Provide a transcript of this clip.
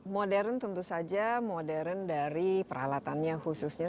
modern tentu saja modern dari peralatannya khususnya